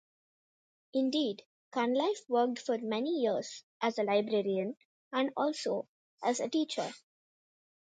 Indeed, Cunliffe worked for many years as a librarian, and also as a teacher.